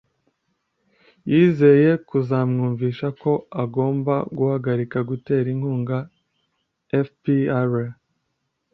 yizeye kuzamwumvisha ko agomba guhagarika gutera inkunga fpr.